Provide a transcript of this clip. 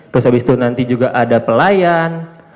terus habis itu nanti juga ada pelayan